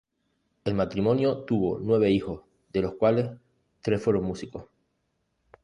El matrimonio tuvo nueve hijos, de los cuales tres fueron músicos.